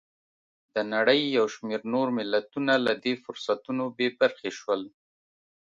د نړۍ یو شمېر نور ملتونه له دې فرصتونو بې برخې شول.